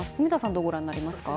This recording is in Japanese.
どうご覧になりますか。